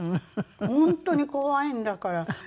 本当に怖いんだから。